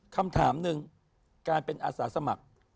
คำถามหนึ่งการเป็นอาสาสมัคร